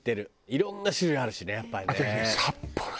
いろんな種類あるしねやっぱりね。